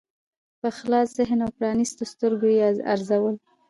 په خلاص ذهن او پرانیستو سترګو یې ارزول.